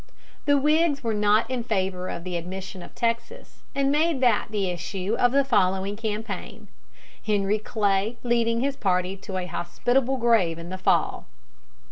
The Whigs were not in favor of the admission of Texas, and made that the issue of the following campaign, Henry Clay leading his party to a hospitable grave in the fall.